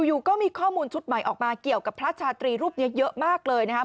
อยู่ก็มีข้อมูลชุดใหม่ออกมาเกี่ยวกับพระชาตรีรูปนี้เยอะมากเลยนะครับ